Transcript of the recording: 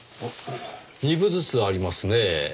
２部ずつありますねぇ。